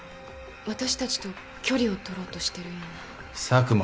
私たちと距離を取ろうとしてるような。